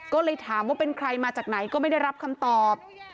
ก็เลยถามว่าเป็นใครมาจากไหนก็ไม่ได้รับคำตอบ